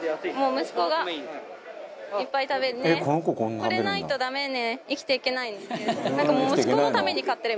これないとダメね生きていけないですね。